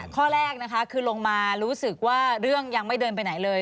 ข้อแรกนะคะคือลงมารู้สึกว่าเรื่องยังไม่เดินไปไหนเลย